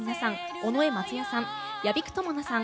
尾上松也さん、屋比久知奈さん